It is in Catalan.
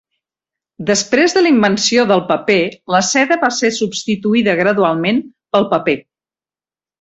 Després de la invenció del paper, la seda va ser substituïda gradualment pel paper.